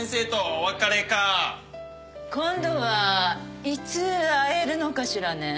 「今度はいつ会えるのかしらね」